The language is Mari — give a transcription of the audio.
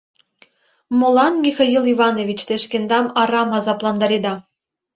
— Молан, Михаил Иванович, те шкендам арам азапландареда!..